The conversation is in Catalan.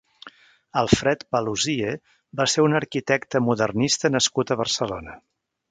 Alfred Paluzie va ser un arquitecte modernista nascut a Barcelona.